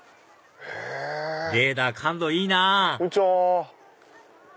レーダー感度いいなぁこんにちは。